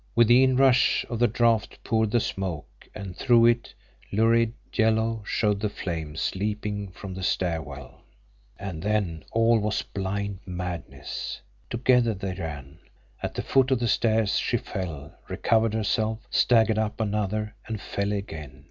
With the inrush of the draft poured the smoke, and through it, lurid, yellow, showed the flames leaping from the stair well. And then all was blind madness. Together they ran. At the foot of the stairs she fell, recovered herself, staggered up another and fell again.